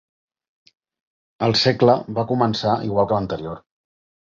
El segla va començar igual que l'anterior.